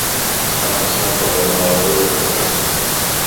Està amenaçada per la tala d'arbres i la caça.